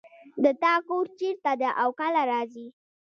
د تا کور چېرته ده او کله راځې